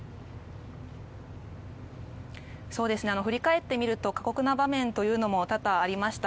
振り返ってみると過酷な場面というのも多々ありました。